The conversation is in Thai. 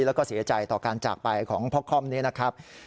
แล้วก็เสียใจต่อการจากไปของพ่อค่อมนี้นะครับ